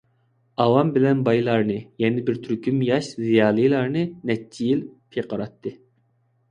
ئاۋام بىلەن بايلارنى، يەنە بىر تۈركۈم ياش زىيالىلارنى نەچچە يىل پىقىراتتى.